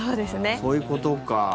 そういうことか。